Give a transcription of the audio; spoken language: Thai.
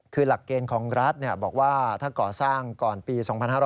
คือหลักเกณฑ์ของรัฐบอกว่าถ้าก่อสร้างก่อนปี๒๕๕๙